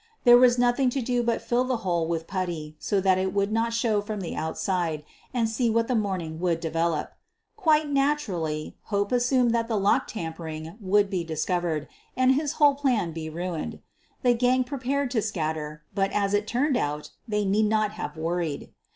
There was nothing to do but fill the hole with putty so that it would not show from the outside and see what the morning would develop. Quite naturally Hope assumed that the lock tampering would be discovered and his whole plan be ruined. The gang prepared to scatter, but as it turned out they need not have worried.